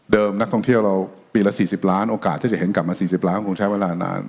นักท่องเที่ยวเราปีละ๔๐ล้านโอกาสถ้าจะเห็นกลับมา๔๐ล้านคงใช้เวลานาน